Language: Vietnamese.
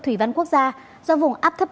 thủy văn quốc gia do vùng áp thấp